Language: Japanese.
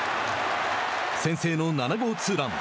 先制の７号ツーラン。